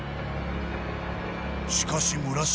しかし村重